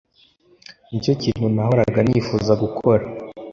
nicyo kintu nahoraga nifuza gukora